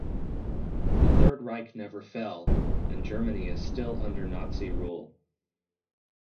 The Third Reich never fell, and Germany is still under Nazi rule.